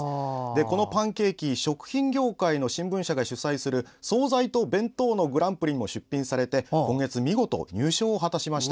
このパンケーキ食品業界の新聞社が主催する惣菜と弁当のグランプリにも出品されて今月見事入賞を果たしました。